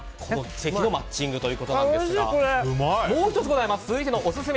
奇跡のマッチングということですがもう１つございます。